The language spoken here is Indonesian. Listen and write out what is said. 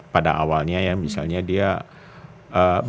pada awalnya ya misalnya dia